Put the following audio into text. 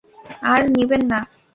আর নিবেন না?